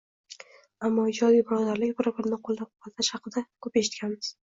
Ammo ijodiy birodarlik, bir-birini qo`llab-quvvatlash haqida ham ko`p eshitganmiz